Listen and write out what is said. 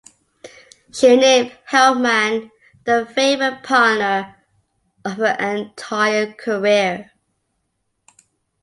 She named Helpmann the favourite partner of her entire career.